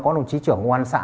có đồng chí trưởng quán xã